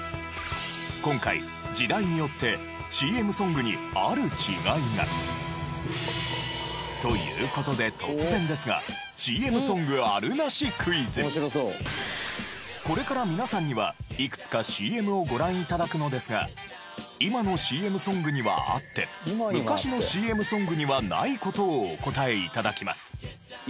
今回時代によってＣＭソングにある違いが。という事で突然ですがこれから皆さんにはいくつかＣＭをご覧頂くのですが今のＣＭソングにはあって昔のＣＭソングにはない事をお答え頂きます。